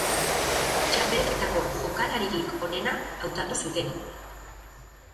Txapelketako jokalaririk onena hautatu zuten.